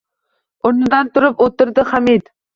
O‘rnidan turib o‘tirdi Hamid